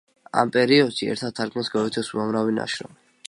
ამ პერიოდში ერთად თარგმნეს გოეთეს უამრავი ნაშრომი.